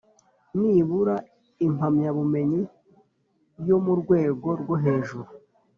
nibura impamyabumenyi yo mu rwego rwo hejuru